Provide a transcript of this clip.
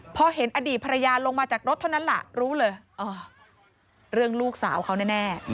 พอเห็นอดีตภรรยาลงมาจากรถเท่านั้นล่ะรู้เลยเรื่องลูกสาวเขาแน่